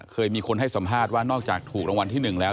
เคยมีคนให้สัมภาษณ์ว่านอกจากถูกรางวัลที่๑แล้ว